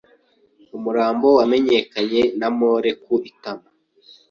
Umurambo wamenyekanye na mole ku itama.